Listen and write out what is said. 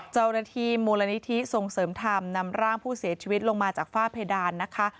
เจ้าหน้าที่มูลนิธิส่งเสริมธรรมนำร่างผู้เสียชีวิตลงมาจากฝ้าเพดานนะคะ